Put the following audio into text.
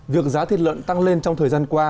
việc giá thịt lợn tăng lên trong thời gian qua